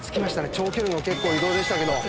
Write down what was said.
長距離の移動でしたけど。